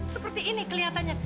seperti ini kelihatannya